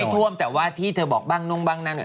ท่วมแต่ว่าที่เธอบอกบ้างนุ่งบ้างนั้น